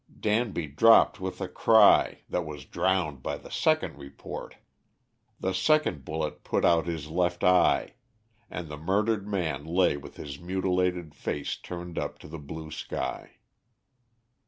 Danby dropped with a cry that was drowned by the second report. The second bullet put out his left eye, and the murdered man lay with his mutilated face turned up to the blue sky.